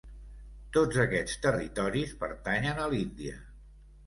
Tots aquests territoris pertanyen a l'Índia.